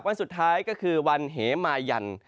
วันสุดท้ายก็คือวันเหมายัน